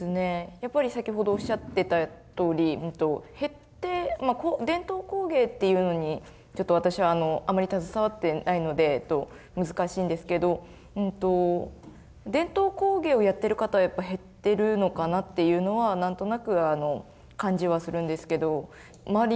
やっぱり先ほどおっしゃってたとおり減って伝統工芸っていうのにちょっと私はあんまり携わってないので難しいんですけど伝統工芸をやってる方はやっぱ減ってるのかなっていうのは何となく感じはするんですけど周り